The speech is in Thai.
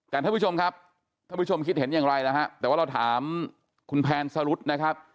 แต่ท่านผู้ชมครับท่านผู้ชมคิดเห็นอย่างไรนะฮะแต่ว่าเราถามคุณแพนสรุธนะครับ